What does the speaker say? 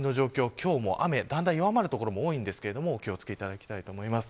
今日も雨はだんだん弱まる所も多いですがお気を付けていただきたいと思います。